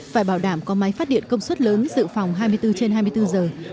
phải bảo đảm có máy phát điện công suất lớn dự phòng hai mươi bốn trên hai mươi bốn giờ